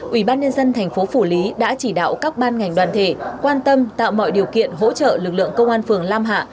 ủy ban nhân dân thành phố phủ lý đã chỉ đạo các ban ngành đoàn thể quan tâm tạo mọi điều kiện hỗ trợ lực lượng công an phường lam hạ